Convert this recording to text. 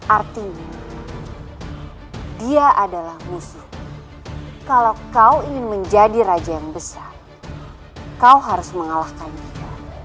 artinya dia adalah misi kalau kau ingin menjadi raja yang besar kau harus mengalahkan dia